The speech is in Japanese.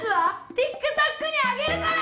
ＴｉｋＴｏｋに上げるから！